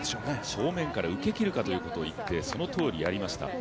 正面から受けきるかということを言ってそのとおり、やりきりました。